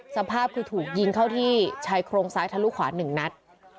สภาพคือถูกยิงเข้าที่ชายโครงซ้ายทะลุขวา๑นัด